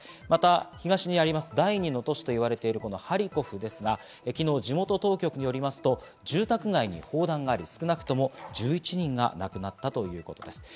また、東にある第２の都市といわれているハリコフですが、昨日、地元当局によりますと住宅街に砲弾があり、少なくとも１１人が亡くなったということです。